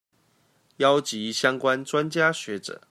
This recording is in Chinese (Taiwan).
邀集相關專家學者